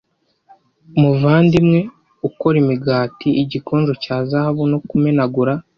muvandimwe ukora imigati igikonjo cya zahabu no kumenagura